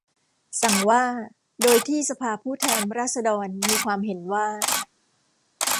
สั่งว่า โดยที่สภาผู้แทนราษฎรมีความเห็นว่า